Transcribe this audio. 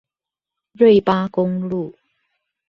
瑞八公路